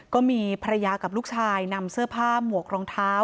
ก็มีภรรยากับลูกชายนำเสื้อผ้าหมวกรองเท้า